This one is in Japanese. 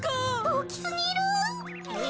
おおきすぎる。